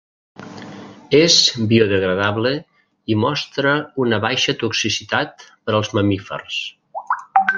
És biodegradable i mostra una baixa toxicitat per als mamífers.